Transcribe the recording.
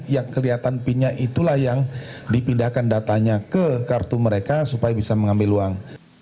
yang kelihatan pinnya itulah yang dipindahkan datanya ke kartu mereka supaya bisa mengambil uang